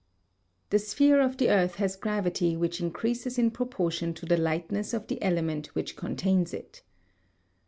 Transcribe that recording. The sphere of the earth has gravity which increases in proportion to the lightness of the element which contains it.